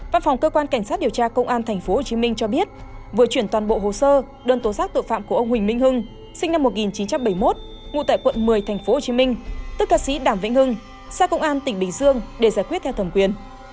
văn phòng cơ quan cảnh sát điều tra công an tp hcm cho biết vừa chuyển toàn bộ hồ sơ đơn tố giác tội phạm của ông huỳnh minh hưng sinh năm một nghìn chín trăm bảy mươi một ngụ tại quận một mươi tp hcm tức ca sĩ đàm vĩnh hưng sang công an tỉnh bình dương để giải quyết theo thẩm quyền